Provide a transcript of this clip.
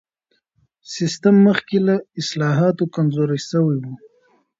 سیستم مخکې له اصلاحاتو کمزوری سوی و.